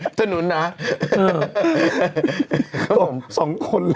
น้ำชาชีวนัทครับผมโพสต์ขอโทษทำเข้าใจผิดหวังคำเวพรเป็นจริงนะครับ